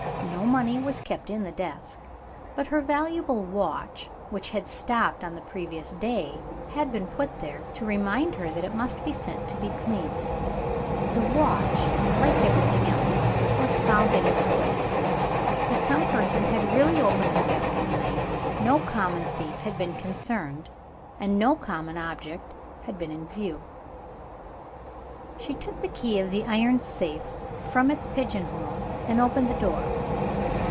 No money was kept in the desk. But her valuable watch, which had stopped on the previous day, had been put there, to remind her that it must be sent to be cleaned. The watch, like everything else, was found in its place. If some person had really opened her desk in the night, no common thief had been concerned, and no common object had been in view. She took the key of the iron safe from its pigeon hole, and opened the door.